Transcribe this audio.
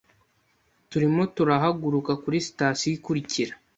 Turimo turahaguruka kuri sitasiyo ikurikira.